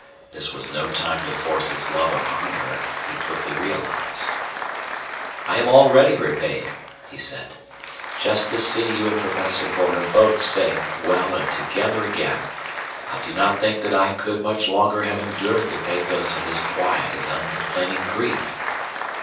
This was no time to force his love upon her, he quickly realized. "I am already repaid," he said. "Just to see you and Professor Porter both safe, well, and together again. I do not think that I could much longer have endured the pathos of his quiet and uncomplaining grief.